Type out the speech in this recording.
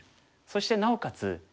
そしてなおかつ